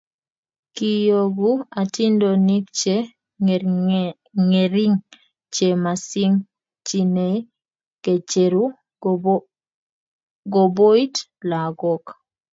kiiyoku atindonik che ngering che mosingchinei kecheru koboit lakok